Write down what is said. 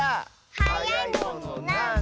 「はやいものなんだ？」